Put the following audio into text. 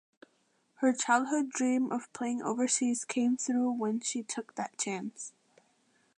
Her childhood dream of playing overseas came through when she took that chance.